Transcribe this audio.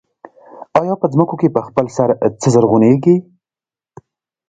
آیا په ځمکو کې په خپل سر څه زرغونېږي